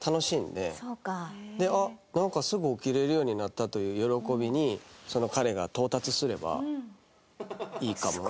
であっなんかすぐ起きれるようになったという喜びに彼が到達すればいいかも。